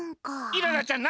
イララちゃん